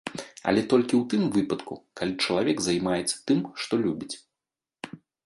Але толькі ў тым выпадку, калі чалавек займаецца тым, што любіць.